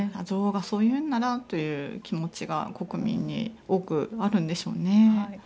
女王がそういうのならという気持ちが国民に多くあるんでしょうね。